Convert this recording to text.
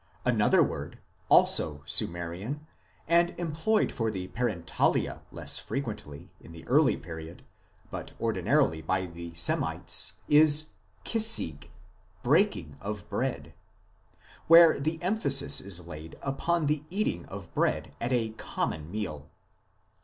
... Another word also Sumerian, and employed for the parentalia less frequently in the early period, but ordinarily by the Semites is kisig, breaking of bread, where the emphasis is laid upon the eating of bread at a common meal."